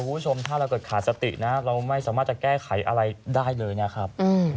คุณผู้ชมถ้าเราเกิดขาดสตินะเราไม่สามารถจะแก้ไขอะไรได้เลยนะครับ